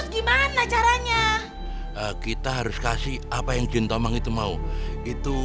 gimana caranya kita harus kasih apa yang jin tomang itu mau itu